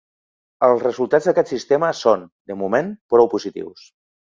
Els resultats d’aquest sistema són, de moment, prou positius.